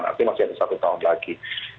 artinya masih ada satu tahun lagi